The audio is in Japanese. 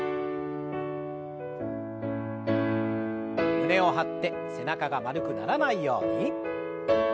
胸を張って背中が丸くならないように。